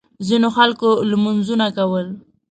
ځینو خلکو لمونځونه کول.